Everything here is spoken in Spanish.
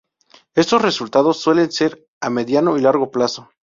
Estos resultados suelen ser a mediano y largo plazo.